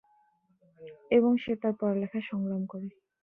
এবং সে তার পড়ালেখায় সংগ্রাম করে।